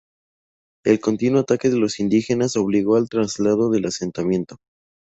El continuo ataque de los indígenas obligó al traslado del asentamiento.